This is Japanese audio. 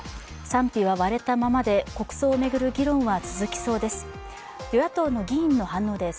賛否は割れたままで国葬を巡る議論は続きそうです。